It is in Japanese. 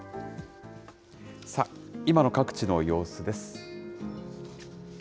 今の各地の様子です。